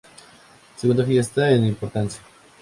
Segunda fiesta en importancia.